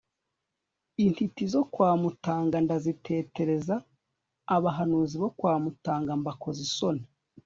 Intiti zo kwa Mutaga ndazitetereza abahanuzi bo kwa Mutaga mbakoza isoni